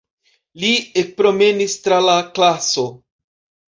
Li ekpromenis tra la klaso.